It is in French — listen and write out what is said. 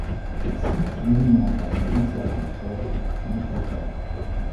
Le site du monument dans son entièreté fait mètres carrés.